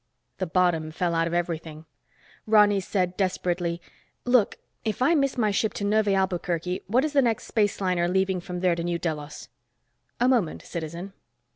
The bottom fell out of everything. Ronny said, desperately, "Look, if I miss my ship in Neuve Albuquerque, what is the next spaceliner leaving from there for New Delos?" "A moment, citizen."